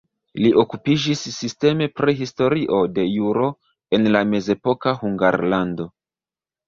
Li okupiĝis sisteme pri historio de juro en la mezepoka Hungarlando.